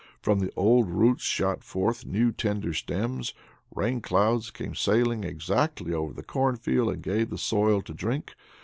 From the old roots shot forth new tender stems. Rain clouds came sailing exactly over the cornfield and gave the soil to drink.